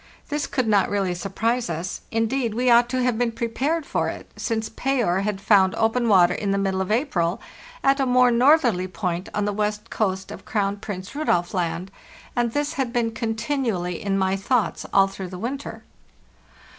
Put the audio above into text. This could not really surprise us; indeed, we ought to have been prepared for it, since Payer had found open water in the middle of April at a more northerly point on the west coast of Crown Prince Rudolf Land; and this had been continually in my thoughts all through the winter.